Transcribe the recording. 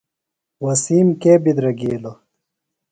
وسیم کے بدرَگِیلُوۡ؟